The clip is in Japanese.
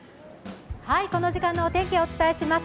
この時間のお天気をお伝えします。